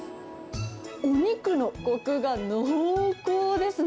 お肉のこくが濃厚ですね。